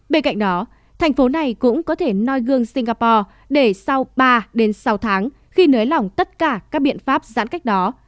bên cạnh đó thành phố này cũng có thể noi gương singapore để sau ba đến sáu tháng khi nới lỏng tất cả các biện pháp giãn cách đó